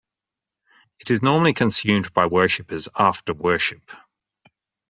It is normally consumed by worshippers after worship.